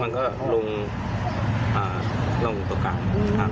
มันก็ลงร่องกลาง